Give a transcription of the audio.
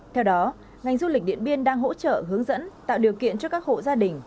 theo đó ngành du lịch điện biên đang hỗ trợ hướng dẫn tạo điều kiện cho các hộ gia đình